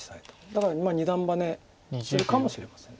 だから二段バネするかもしれません。